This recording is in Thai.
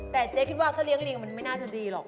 แต่เจ๊คิดว่าถ้าเลี้ยลิงมันไม่น่าจะดีหรอก